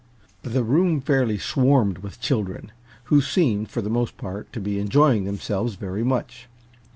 The room fairly swarmed with children, who seemed, for the most part, to be enjoying themselves very much.